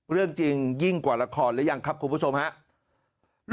เรื่องจริงยิ่งกว่าละครหรือยังครับคุณผู้ชมครับ